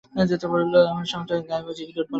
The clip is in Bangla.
আমার সব টাকা গায়েব আর জিগি দৌড়ে পালাচ্ছে!